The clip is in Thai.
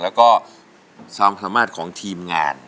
แล้วก็ความสามารถของทีมงาน